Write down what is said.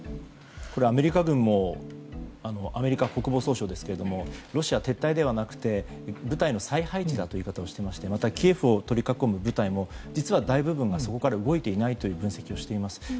アメリカ軍もアメリカ国防総省ですけどもロシア、撤退ではなくて部隊の再配置だということを指摘していましてまた、キエフを取り囲む部隊も実は大部分がそこから動いていないという分析をしています。